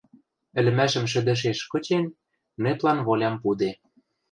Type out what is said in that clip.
ӹлӹмӓшӹм шӹдӹшеш кычен, нэплӓн волям пуде.